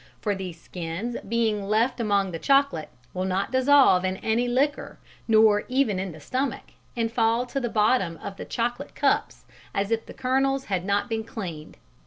for these skins being left among the chocolate, will not dissolve in any liquor, nor even in the stomach, and fall to the bottom of the chocolate cups as if the kernels had not been cleaned."